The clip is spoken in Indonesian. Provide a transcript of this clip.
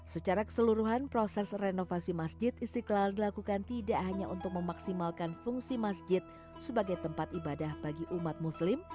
secara keseluruhan proses renovasi masjid istiqlal dilakukan tidak hanya untuk memaksimalkan fungsi masjid sebagai tempat ibadah bagi umat muslim